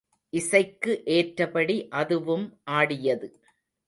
இசைக்கு ஏற்றபடி அதுவும் ஆடியது.